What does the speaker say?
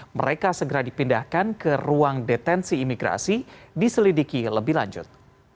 mereka segera dipindahkan ke ruang detensi imigrasi diselidiki lebih lanjut